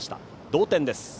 同点です。